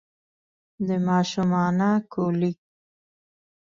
د ماشومانه کولیک